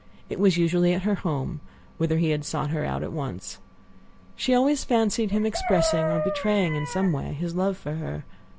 It was usually at her home, whither he had sought her out at once. She always fancied him expressing or betraying in some way his love for her.